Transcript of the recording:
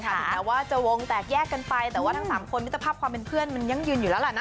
ถึงแม้ว่าจะวงแตกแยกกันไปแต่ว่าทั้ง๓คนมิตรภาพความเป็นเพื่อนมันยั่งยืนอยู่แล้วล่ะนะ